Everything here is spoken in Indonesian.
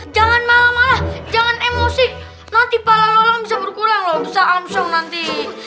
jangan malah malah jangan emosi nanti